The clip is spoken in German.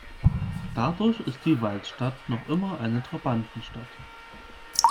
Dadurch ist die Waldstadt noch immer eine Trabantenstadt.